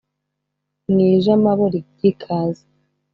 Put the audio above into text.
Mu ijamabo ry’ikaze